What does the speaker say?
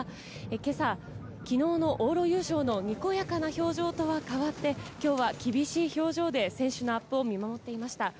昨日、往路を制した駒澤大学・大八木監督は今朝、昨日の往路優勝のにこやかな表情とは変わって、今日は厳しい表情で選手のアップを見守っていました。